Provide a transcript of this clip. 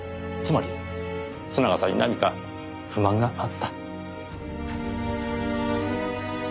つまり須永さんに何か不満があった？